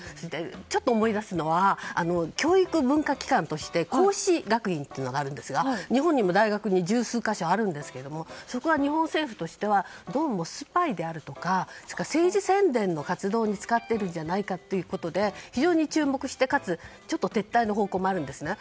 ちょっと思い出すのは教育文化機関として孔子学院というのがあるんですが日本にも大学に十数か所あるんですが、日本政府はどうもスパイであるとか政治宣伝の活動に使っているんじゃないかということで非常に注目して、かつ、少し撤退の方向もあるんですね。